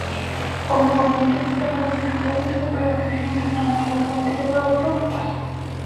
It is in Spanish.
Como inconvenientes, destacan las dificultades de cumplir las exigentes normativas sobre etiquetado de productos.